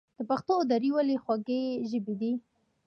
پښتو او دري ولې خوږې ژبې دي؟